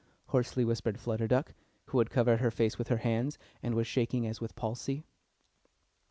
hoarsely whispered Flutter Duck, who had covered her face with her hands, and was shaking as with palsy.